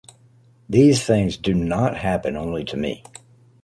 These things do not happen only to me.